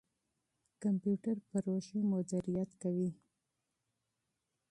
کمپيوټر پروژې مديريت کوي.